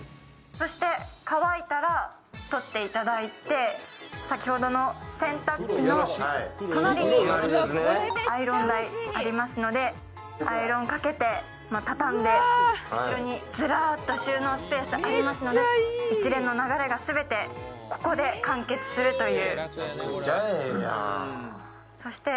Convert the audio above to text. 乾いたら取っていただいて先ほどの洗濯機の隣にアイロン台、ありますのでアイロンをかけて、畳んで、後ろにずらっと収納スペースがありますので一連の流れが全てここで完結するという。